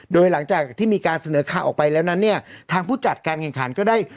โดยหลังจากที่มีการเสนอข่าวออกไปแล้วนั้นเนี่ยทางผู้จัดการแข่งขันก็ได้